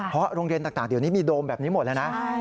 เพราะโรงเรียนต่างเดี๋ยวนี้มีโดมแบบนี้หมดแล้วนะ